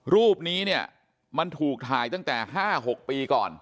รูปนี้เนี่ยมันถูกถ่ายตั้งแต่๕๖ปีก่อน